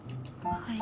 はい。